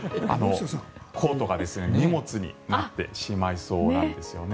コートが荷物になってしまいそうなんですね。